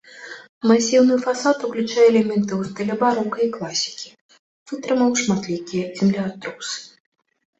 Масіўны фасад уключае элементы ў стылі барока і класікі, вытрымаў шматлікія землятрусы.